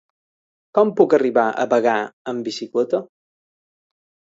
Com puc arribar a Bagà amb bicicleta?